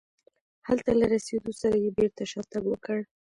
هلته له رسېدو سره یې بېرته شاتګ وکړ.